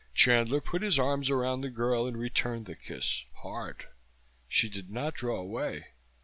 Chandler put his arms around the girl and returned the kiss, hard. She did not draw away.